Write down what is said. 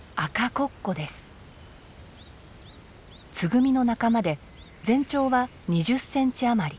ツグミの仲間で全長は２０センチ余り。